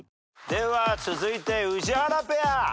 では続いて宇治原ペア。